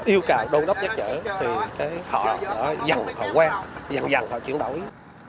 yêu cầu đô đốc nhắc nhở thì họ dần họ quen dần dần họ chuyển đổi